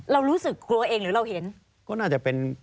เรารู้สึกกลัวเองหรือเราเห็น